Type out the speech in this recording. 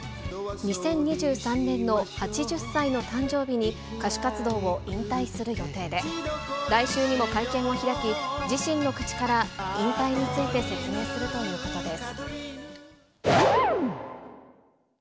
２０２３年の８０歳の誕生日に歌手活動を引退する予定で、来週にも会見を開き、自身の口から引退について説明するということです。